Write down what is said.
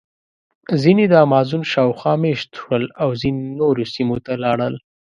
ځینې د امازون شاوخوا مېشت شول او ځینې نورو سیمو ته لاړل.